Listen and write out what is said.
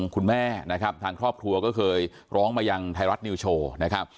คุณแม่ครอบครัวเคยร้องมาอย่างไทยรัฐนิวโชว์